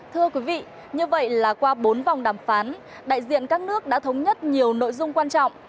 thưa quý vị như vậy là qua bốn vòng đàm phán đại diện các nước đã thống nhất nhiều nội dung quan trọng